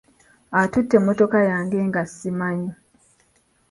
Atutte emmotoka yange nga ssimanyi.